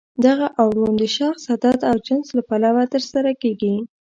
دغه اوړون د شخص، عدد او جنس له پلوه ترسره کیږي.